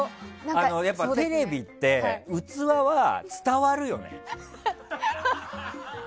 テレビって、器は伝わるよね。